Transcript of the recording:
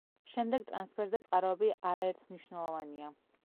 შემდეგ ტრანსფერზე წყაროები არაერთმნიშვნელოვანია.